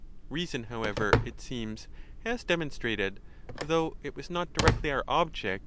Reason, however, it seems, has demonstrated (though it was not directly our object.